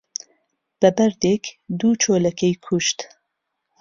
بە بەردێک دوو چۆلەکەی کوشت